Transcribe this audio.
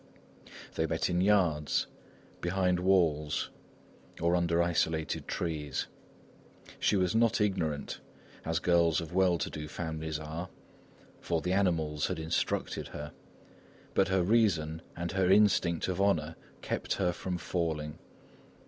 They met in yards, behind walls or under isolated trees. She was not ignorant, as girls of well to do families are for the animals had instructed her; but her reason and her instinct of honour kept her from falling.